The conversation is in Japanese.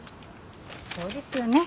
そうですよね。